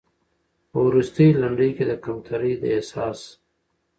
په وروستۍ لنډۍ کې د کمترۍ د احساس